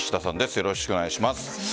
よろしくお願いします。